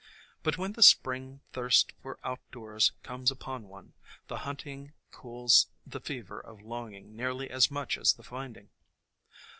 But when the Spring thirst for outdoors comes upon one, the hunting cools the fever of longing nearly as much as the finding.